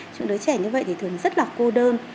chúng đứa trẻ như vậy thường rất là cô đơn